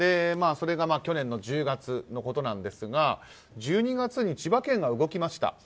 それが去年の１０月のことなんですが１２月に千葉県が動きました。